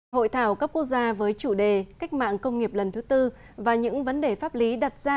hội thảo cấp quốc gia với chủ đề cách mạng công nghiệp lần thứ tư và những vấn đề pháp lý đặt ra